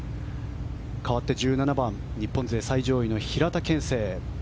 かわって１７番日本勢最上位の平田憲聖。